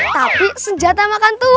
tapi senjata makan tuhan